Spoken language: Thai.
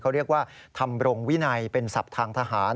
เขาเรียกว่าทำรงวินัยเป็นศัพท์ทางทหาร